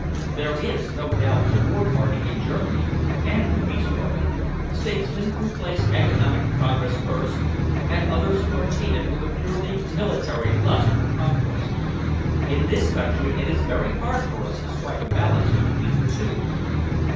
"There is no doubt a war party in Germany and a peace party, statesmen who place economic progress first, and others who are tainted with a purely military lust for conquest. In this country it is very hard for us to strike a balance between the two."